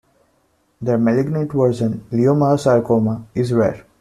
Their malignant version, leiomyosarcoma, is rare.